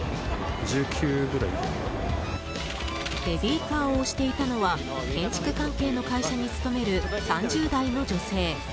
ベビーカーを押していたのは建築関係の会社に勤める３０代の女性。